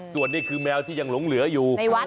ส่วนนี้คือแมวที่ยังหลงเหลืออยู่